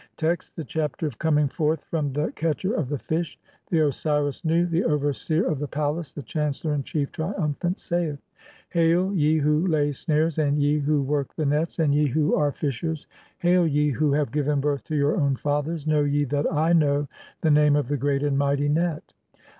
Text : (1) The Chapter of coming forth from the CATCHER OF THE FISH. The Osiris Nu, the overseer of the palace, the chancellor in chief, triumphant, saith :— (2) "Hail, ye who lay snares (?), and ye who work the nets, and ye 'who are fishers ; hail, ye who have given birth to your own fathers, 'know ye (3) that I know the name of the great and mighty net?